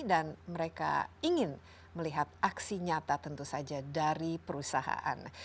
dan mereka ingin melihat aksi nyata tentu saja dari perusahaan